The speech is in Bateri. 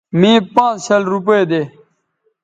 مے پانز شل روپے دے